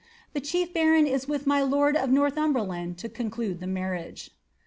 The chief l>aron is with my lord of Northumberland to conclude the marriage."